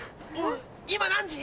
今何時？